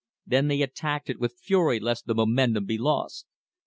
Then they attacked it with fury lest the momentum be lost.